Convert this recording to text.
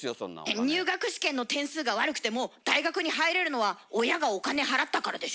えっ入学試験の点数が悪くても大学に入れるのは親がお金払ったからでしょ？